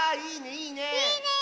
いいねえ！